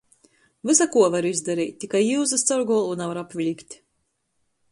Vysakuo var izdareit, tikai iuzys caur golvu navar apviļkt.